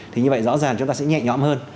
thì như vậy rõ ràng chúng ta sẽ nhẹ nhõm hơn